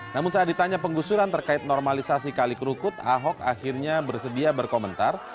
namun saat ditanya penggusuran terkait normalisasi kali kerukut ahok akhirnya bersedia berkomentar